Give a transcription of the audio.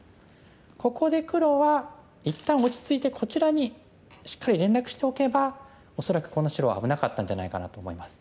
ここで黒は一旦落ち着いてこちらにしっかり連絡しておけば恐らくこの白は危なかったんじゃないかなと思います。